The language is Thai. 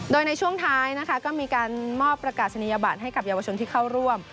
โดยในช่วงท้ายนะคะก็มีการมอบประกาศนียบัตรให้กับเยาวชนที่เข้าร่วม